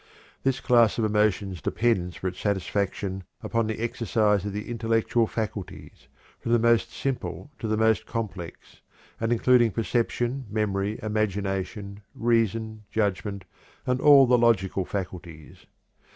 This class of emotions depends for its satisfaction upon the exercise of the intellectual faculties, from the most simple to the most complex, and including perception, memory, imagination, reason, judgment, and all the logical faculties.